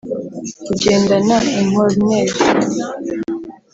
Ugendana inkornere